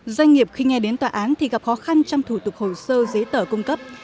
doanh nghiệp khi nghe đến tòa án thì gặp khó khăn trong thủ tục hồ sơ giấy tờ cung cấp